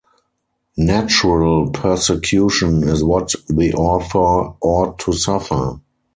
Natural persecution is what the author ought to suffer.